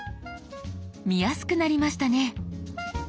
見やすくなりましたね。